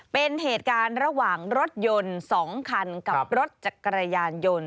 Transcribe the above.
เป็นเหตุการณ์ระหว่างรถยนต์๒คันกับรถจักรยานยนต์